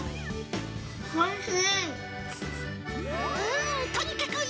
おいしい。